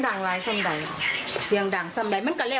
ก็อยากให้เบาลงสินะคะ